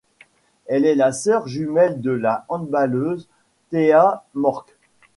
Elle est la sœur jumelle de la handballeuse Thea Mørk.